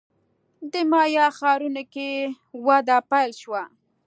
د مایا ښارونو کې وده پیل شوه.